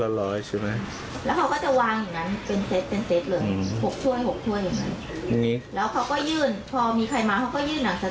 ก็เหมือนที่เราเคยเล่นนะแต่ว่าอันนี้มันแพงเกินนะแบบ